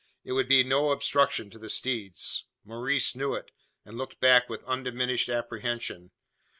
It would be no obstruction to the steeds. Maurice knew it, and looked back with undiminished apprehension.